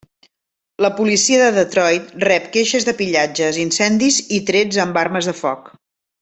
La policia de Detroit rep queixes de pillatges, incendis i trets amb armes de foc.